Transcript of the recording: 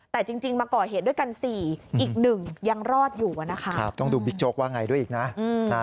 แต่จริงมาก่อเหตุด้วยกัน๔อีกหนึ่งยังรอดอยู่อะนะคะต้องดูบิ๊กโจ๊กว่าไงด้วยอีกนะ